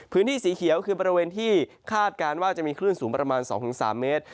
พื้นที่สีเขียวคือบริเวณที่คาดการณ์ว่าจะมีคลื่นสูงประมาณ๒๓เมตร